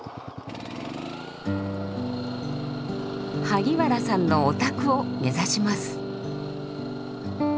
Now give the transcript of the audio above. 萩原さんのお宅を目指します。